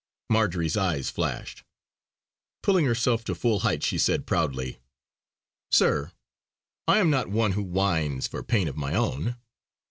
Marjory's eyes flashed; pulling herself to full height she said proudly: "Sir, I am not one who whines for pain of my own.